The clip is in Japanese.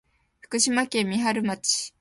福島県三春町